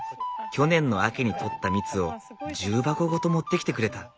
去年の秋に取った蜜を重箱ごと持ってきてくれた。